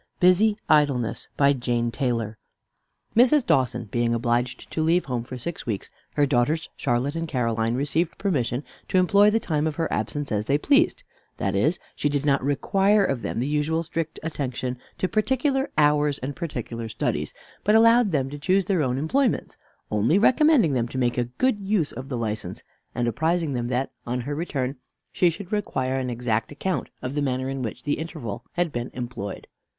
BUSY IDLENESS By JANE TAYLOR Mrs. Dawson being obliged to leave home for six weeks, her daughters, Charlotte and Caroline, received permission to employ the time of her absence as they pleased; that is, she did not require of them the usual strict attention to particular hours and particular studies, but allowed them to choose their own employments only recommending them to make a good use of the license, and apprising them, that, on her return, she should require an exact account of the manner in which the interval had been employed.